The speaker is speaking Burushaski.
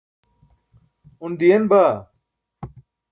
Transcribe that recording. un diyen baa